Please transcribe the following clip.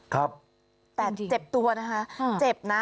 แต่เจ็บตัวนะคะเจ็บนะ